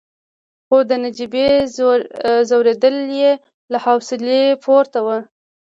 خو د نجيبې ځورېدل يې له حوصلې پورته وو.